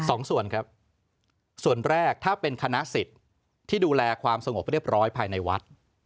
สองส่วนครับส่วนแรกถ้าเป็นคณะสิทธิ์ที่ดูแลความสงบเรียบร้อยภายในวัด